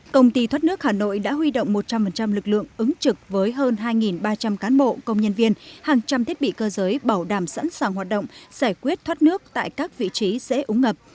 công ty thoát nước hà nội đã huy động một trăm linh lực lượng ứng trực với hơn hai ba trăm linh cán bộ công nhân viên hàng trăm thiết bị cơ giới bảo đảm sẵn sàng hoạt động giải quyết thoát nước tại các vị trí dễ ứng ngập